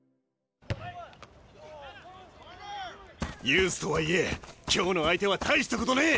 ユースとはいえ今日の相手は大したことねえ！